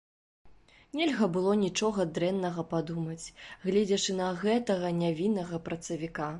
Нельга было нічога дрэннага падумаць, гледзячы на гэтага нявіннага працавіка.